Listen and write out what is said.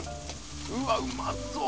うわっうまそう！